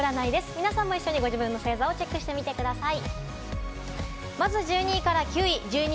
皆さんも一緒にご自分の星座をチェックしてみてください。